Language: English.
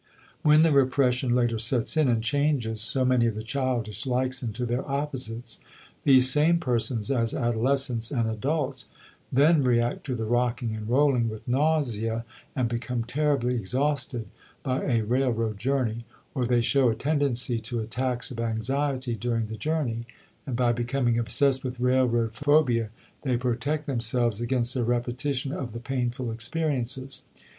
When the repression later sets in and changes so many of the childish likes into their opposites, these same persons as adolescents and adults then react to the rocking and rolling with nausea and become terribly exhausted by a railroad journey, or they show a tendency to attacks of anxiety during the journey, and by becoming obsessed with railroad phobia they protect themselves against a repetition of the painful experiences.